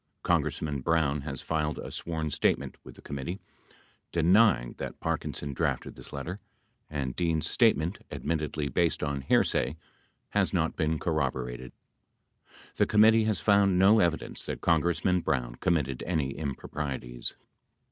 Congressman Brown has filed a sworn statement with the committee denying that Parkinson drafted this letter, and Dean's statement, admittedly based on hearsay, has not been corroborated. 88 The committee has found no evidence that Congressman Brown committed any improprieties.